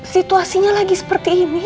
situasinya lagi seperti ini